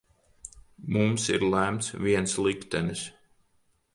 Mums ir lemts viens liktenis.